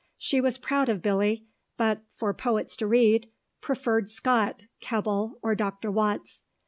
She was proud of Billy, but, for poets to read, preferred Scott, Keble, or Doctor Watts.